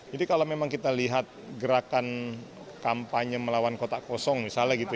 jadi kalau memang kita lihat gerakan kampanye melawan kota kosong misalnya gitu